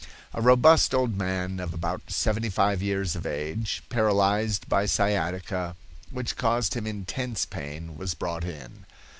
A robust old man of about seventy five years of age, paralyzed by sciatica, which caused him intense pain, was brought in.